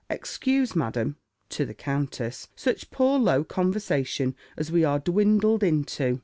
Excuse, Madam" (to the countess), "such poor low conversation as we are dwindled into."